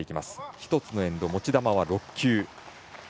１つのエンド、持ち球は６球。